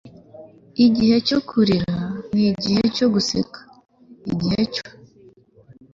igihe cyo kurira n igihe cyo guseka igihe cyo